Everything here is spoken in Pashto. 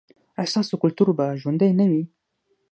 ایا ستاسو کلتور به ژوندی نه وي؟